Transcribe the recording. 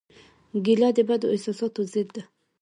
کېله د بدو احساساتو ضد ده.